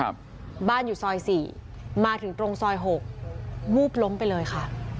บ้านอยู่ซอยสี่มาถึงตรงซอยหกวูบล้มไปเลยค่ะ